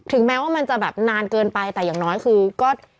แม้ว่ามันจะแบบนานเกินไปแต่อย่างน้อยคือก็